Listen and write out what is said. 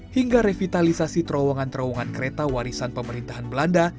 hingga revitalisasi terowongan terowongan kereta warisan pemerintahan belanda